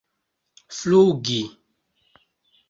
flugi